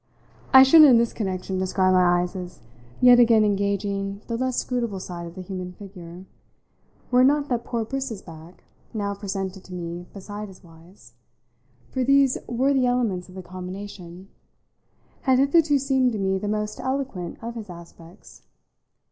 I should in this connection describe my eyes as yet again engaging the less scrutable side of the human figure, were it not that poor Briss's back, now presented to me beside his wife's for these were the elements of the combination had hitherto seemed to me the most eloquent of his aspects.